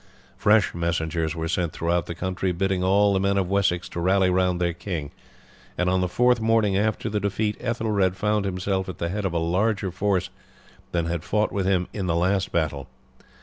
Fresh messengers were sent throughout the country bidding all the men of Wessex to rally round their king, and on the fourth morning after the defeat Ethelred found himself at the head of larger forces than had fought with him in the last battle.